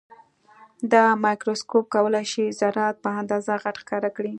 دا مایکروسکوپ کولای شي ذرات په اندازه غټ ښکاره کړي.